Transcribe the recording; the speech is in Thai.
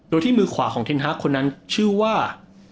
โดยที่มือขวาของเทนฮาร์กคนนั้นชื่อว่า